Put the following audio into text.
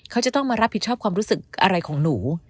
เขาจะต้องมารับผิดชอบความรู้สึกอะไรของหนู